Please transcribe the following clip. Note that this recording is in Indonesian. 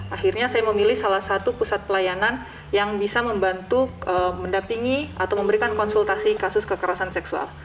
akhirnya saya memilih salah satu pusat pelayanan yang bisa membantu mendapingi atau memberikan konsultasi kasus kekerasan seksual